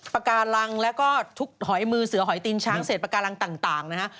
ปากการังแล้วก็ทุกหอยมือเสือหอยตีนช้างเศษปากการังต่างนะฮะ